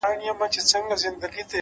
صبر د سترو ارمانونو ملګری دی،